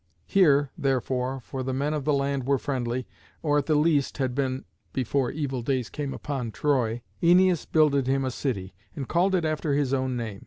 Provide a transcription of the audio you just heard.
Here, therefore, for the men of the land were friendly, or, at the least, had been before evil days came upon Troy, Æneas builded him a city, and called it after his own name.